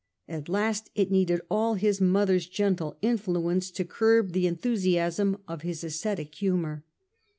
At last it needed all his mother's gentle influence to curb the enthusiasm of his ascetic humour.